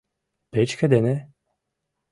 Печке дене?!»